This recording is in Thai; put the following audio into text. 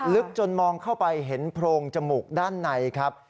ลึกจนมองเข้าไปเห็นโพรงจมูกด้านในครับ